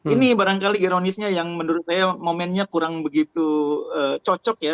ini barangkali ironisnya yang menurut saya momennya kurang begitu cocok ya